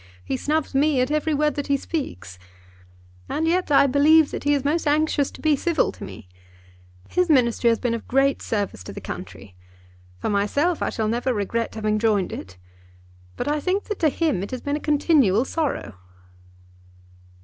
He snubs me at every word that he speaks, and yet I believe that he is most anxious to be civil to me. His ministry has been of great service to the country. For myself, I shall never regret having joined it. But I think that to him it has been a continual sorrow."